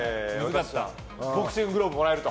ボクシンググローブもらえると。